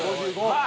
はい。